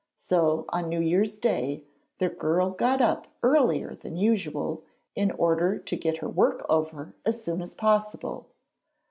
So on New Year's Day, the girl got up earlier than usual, in order to get her work over as soon as possible.